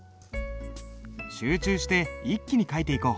集中して一気に書いていこう。